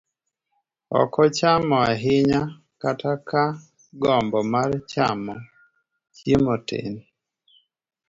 ok ochamo ahinya kata ka gombo mar chamo chiemo tin.